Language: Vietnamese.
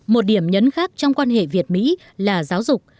một điểm nhấn khác trong quan hệ việt mỹ là giáo dục